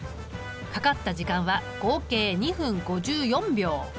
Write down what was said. かかった時間は合計２分５４秒。